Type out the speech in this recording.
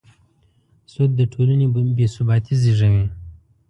سود د ټولنې بېثباتي زېږوي.